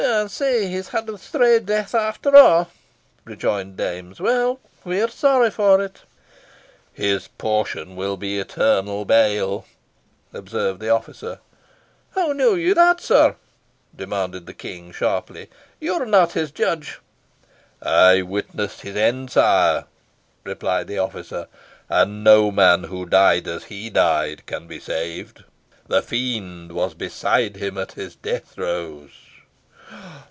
"And sae he has had a strae death, after a'!" rejoined James. "Weel, we are sorry for it." "His portion will be eternal bale," observed the officer. "How know you that, sir?" demanded the King, sharply. "You are not his judge." "I witnessed his end, sire," replied the officer; "and no man who died as he died can be saved. The Fiend was beside him at the death throes."